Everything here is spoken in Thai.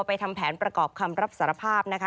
ทำแผนประกอบคำรับสารภาพนะคะ